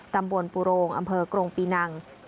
ตำบลปูโรงอำเภอกรงปีนัง